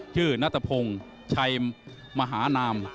ชื่อณตะพงชัยมหานาม